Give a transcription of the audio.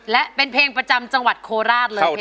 และเป็นเพลงประจำจังหวัดโคราชเลย